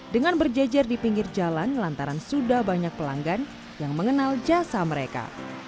dengan berjejer di pinggir jalan lantaran sudah banyak pelanggan yang mengenal jasa mereka